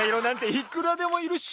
いくらでもいるっしょ！